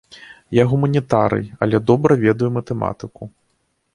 Я гуманітарый, але добра ведаю матэматыку.